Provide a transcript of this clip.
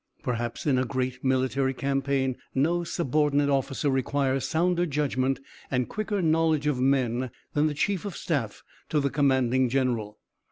Perhaps in a great military campaign no subordinate officer requires sounder judgment and quicker knowledge of men than the Chief of Staff to the Commanding General.